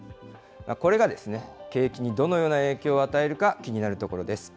これが景気にどのような影響を与えるか、気になるところです。